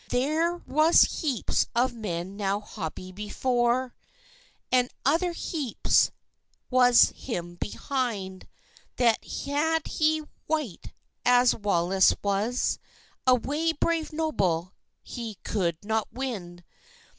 There was heaps of men now Hobbie before, And other heaps was him behind, That had he wight as Wallace was, Away brave Noble he could not win.